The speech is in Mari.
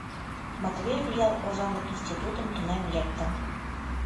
Матвеев ял озанлык институтым тунем лектын.